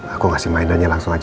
aku ngasih mainannya langsung aja